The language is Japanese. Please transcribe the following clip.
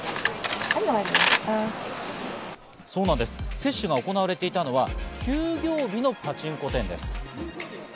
接種が行われていたのは休業日のパチンコ店です。